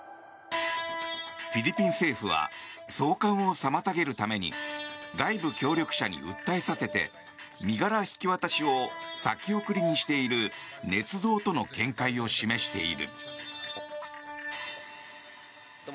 フィリピン政府は送還を妨げるために外部協力者に訴えさせて身柄引き渡しを先送りにしているねつ造との見解を示している。